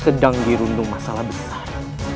sedang dirundung masalah besar